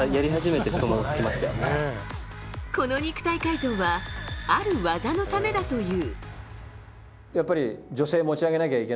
この肉体改造はある技のためだという。